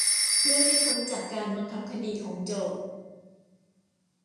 เพื่อให้พ้นจากการบังคับคดีของโจทก์